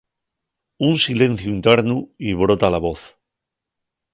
Un silenciu internu y brota la voz.